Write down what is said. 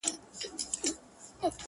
که زما منۍ د دې لولۍ په مینه زړه مه تړی٫